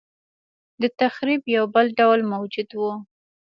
دتخریب یو بل ډول موجود و.